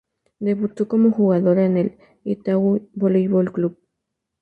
Debutó como jugadora en el Itagüí Voleibol Club.